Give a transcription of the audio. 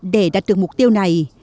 để đạt được mục tiêu này